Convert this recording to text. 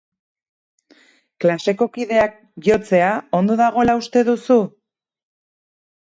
Klaseko kideak jotzea ondo dagoela uste duzu?